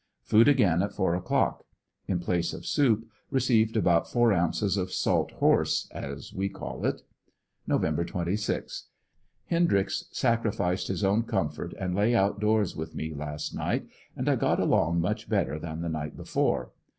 Food again at four o'clock. In place of soup received about four ounces of salt horse, as we call it. Nov. 26.— Hendryx sacrificed his own comfort and lay out doors with me last night and I got along much better than the night before.